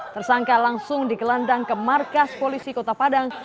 tersangka langsung digelandang ke markas polisi kota padang